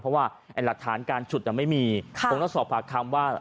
เพราะว่าเอนหลักฐานการฉุดยังไม่มีค่ะต้องต้องสอบหักคำว่า